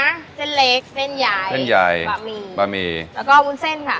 เส้นเล็กเส้นใหญ่เส้นใหญ่บะหมี่บะหมี่แล้วก็วุ้นเส้นค่ะ